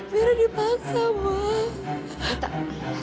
mira dipaksa mak